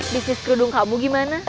bisnis kerudung kamu gimana